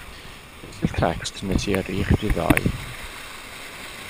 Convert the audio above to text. Gest ti'r tecst nesi yrru i chdi ddoe?